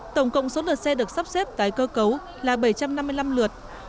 tổng cộng số lượt xe được sắp xếp tái cơ cấu là bảy trăm năm mươi năm lượt